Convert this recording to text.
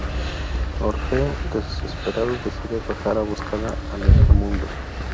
Orfeo, desesperado, decide bajar a buscarla al inframundo.